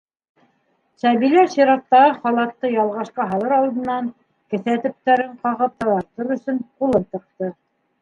Сәбилә сираттағы халатты ялғашҡа һалыр алдынан, кеҫә төптәрен ҡағып таҙартыр өсөн, ҡулын тыҡты.